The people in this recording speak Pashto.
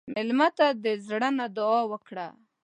مېلمه ته د زړه نه دعا وکړه.